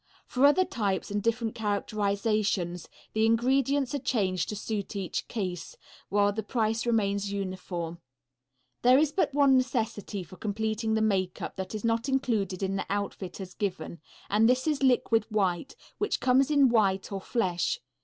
For other types and different characterizations the ingredients are changed to suit each case, while the price remains uniform. There is but one necessity for completing the makeup that is not included in the outfit as given, and that is Liquid White, which comes in white or flesh.